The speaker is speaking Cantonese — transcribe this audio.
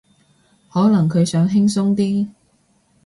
可能佢想輕鬆啲